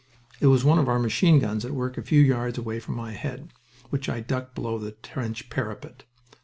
It was one of our machine guns at work a few yards away from my head, which I ducked below the trench parapet.